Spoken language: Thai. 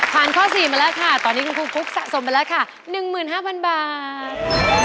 ข้อ๔มาแล้วค่ะตอนนี้คุณครูฟุ๊กสะสมไปแล้วค่ะ๑๕๐๐๐บาท